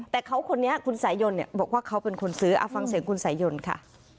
แต่เขาคนนี้คุณสายยนเนี่ยบอกว่าเขาเป็นคนซื้อฟังเสียงคุณสายยนค่ะ